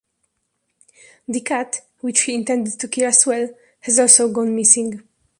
The cat, which he intended to kill as well, has also gone missing.